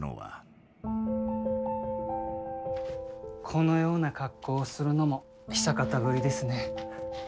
このような格好をするのも久方ぶりですね。